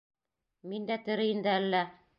Мин дә тере инде әллә?